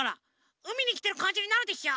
うみにきてるかんじになるでしょ？